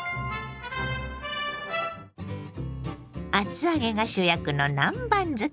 厚揚げが主役の南蛮漬け。